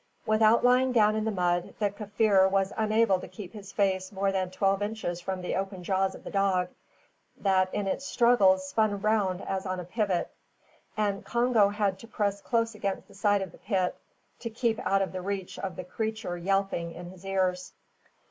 Without lying down in the mud, the Kaffir was unable to keep his face more than twelve inches from the open jaws of the dog, that in its struggles spun round as on a pivot; and Congo had to press close against the side of the pit, to keep out of the reach of the creature yelping in his ears.